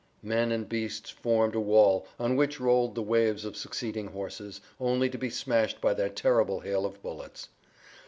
Men and beasts formed a wall on which rolled the waves of succeeding horses, only to be smashed by that terrible hail of bullets.